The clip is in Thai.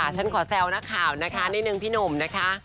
ฉันขอแซวนักข่าวนะคะนิดนึงพี่หนุ่มนะคะ